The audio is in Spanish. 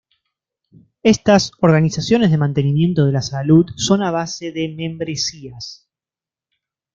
Estas organizaciones de mantenimiento de la salud son a base de membresías.